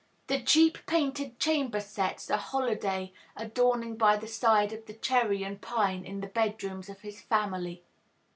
The cheap painted chamber sets are holiday adorning by the side of the cherry and pine in the bedrooms of his family.